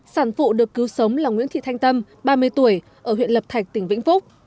sản phụ được cứu sống là nguyễn thị thanh tâm ba mươi tuổi ở huyện lập thạch tỉnh vĩnh phúc